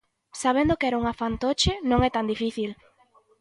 Sabendo que era unha fantoche non é tan difícil.